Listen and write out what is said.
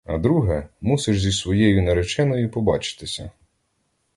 А друге — мусиш зі своєю нареченою побачитися.